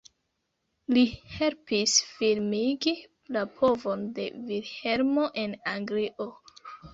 Li helpis firmigi la povon de Vilhelmo en Anglio.